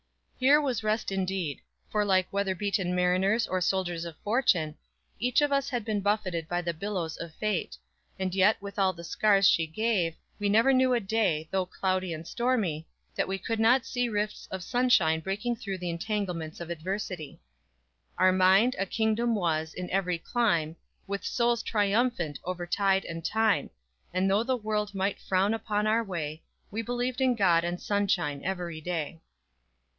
Here was rest indeed. For like weather beaten mariners or soldiers of fortune, each of us had been buffeted by the billows of Fate; and yet with all the scars she gave, we never knew a day, though cloudy and stormy, that we could not see rifts of sunshine breaking through the entanglements of adversity. _Our mind, a kingdom was, in every clime, With souls triumphant over tide and time; And though the world might frown upon our way We believed in God and sunshine every day!